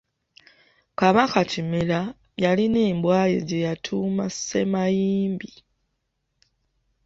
Kabaka Kimera yalina embwa ye gye yatuuma Ssemayimbi.